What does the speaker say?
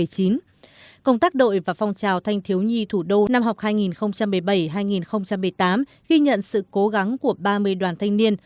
công tác đội và phong trào thanh thiếu nhi thủ đô năm học hai nghìn một mươi bảy hai nghìn một mươi tám ghi nhận sự cố gắng của ba mươi đoàn thanh niên